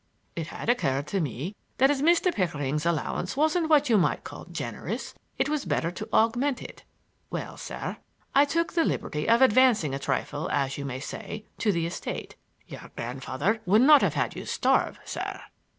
"It had occurred to me that as Mr. Pickering's allowance wasn't what you might call generous it was better to augment it—Well, sir, I took the liberty of advancing a trifle, as you might say, to the estate. Your grandfather would not have had you starve, sir."